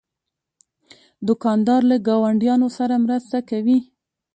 دوکاندار له ګاونډیانو سره مرسته کوي.